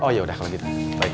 oh ya udah kalau gitu baik